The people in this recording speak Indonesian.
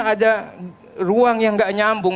ada ruang yang nggak nyambung